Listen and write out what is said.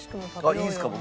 あっいいですか？